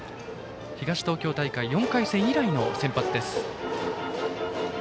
東東京大会４回戦以来の先発。